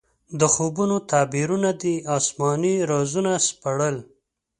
د خوبونو تعبیرونه دې اسماني رازونه سپړل.